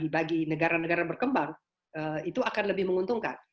bagi negara negara berkembang itu akan lebih menguntungkan